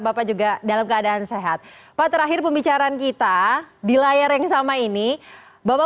bapak juga dalam keadaan sehat pak terakhir pembicaraan kita di layar yang sama ini bapak